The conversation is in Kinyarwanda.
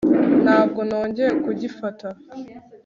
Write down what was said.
Ntabwo nongeye kugifata